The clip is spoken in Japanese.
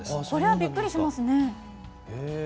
それはびっくりしますね。